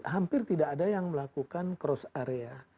hampir tidak ada yang melakukan cross area